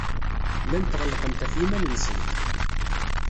Llant ɣellqent ɣef yiman-nsent.